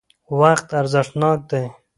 وقت ارزښتناک دی.